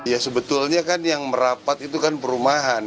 ya sebetulnya kan yang merapat itu kan perumahan